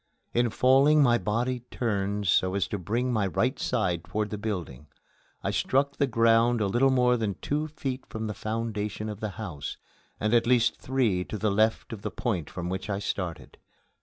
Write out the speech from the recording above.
In falling my body turned so as to bring my right side toward the building. I struck the ground a little more than two feet from the foundation of the house, and at least three to the left of the point from which I started.